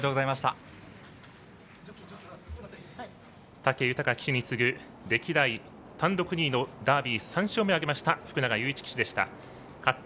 武豊騎手に次ぐ歴代、単独２位のダービー３勝目を挙げました福永祐一騎手でした。